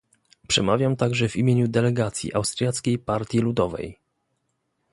Przemawiam także w imieniu delegacji Austriackiej Partii Ludowej